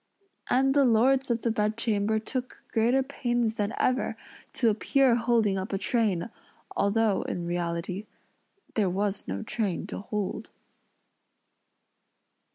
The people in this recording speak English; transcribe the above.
And the lords of the bedchamber took greater pains than ever, to appear holding up a train, although, in reality, there was no train to hold.